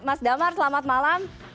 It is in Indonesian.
mas damar selamat malam